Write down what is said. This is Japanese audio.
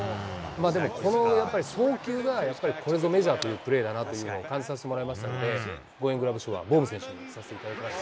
でもこの、やっぱり送球がやっぱりこれぞメジャーというプレーだなというのを感じさせてもらいましたので、ゴーインググラブ賞はボーム選手にさせてもらいました。